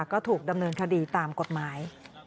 ก็ถูกดำเนินคดีตามกฎหมาย